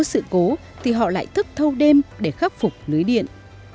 nếu có sự cố thì họ lại thức thâu đêm để khắc phục lưới điện